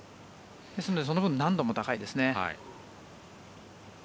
ですので、その分難度も高いですね。